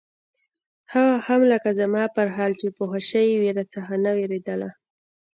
هغه هم لکه زما پر حال چې پوهه سوې وي راڅخه نه وېرېدله.